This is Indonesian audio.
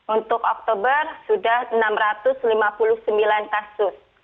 untuk oktober sudah enam ratus lima puluh sembilan kasus